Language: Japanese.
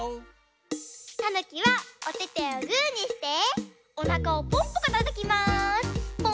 たぬきはおててをグーにしておなかをポンポコたたきます！